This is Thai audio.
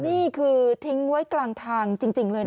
นี่คือทิ้งไว้กลางทางจริงเลยนะ